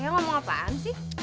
eh lo mau apaan sih